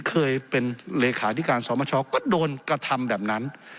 เคยเป็นเลขาธิการสมชก็โดนกระทำแบบนั้น